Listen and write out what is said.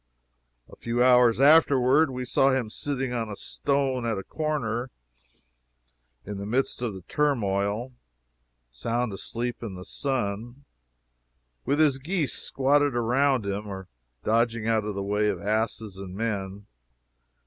A few hours afterward we saw him sitting on a stone at a corner, in the midst of the turmoil, sound asleep in the sun, with his geese squatting around him, or dodging out of the way of asses and men.